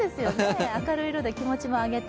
明るい色で気持ちも上げて。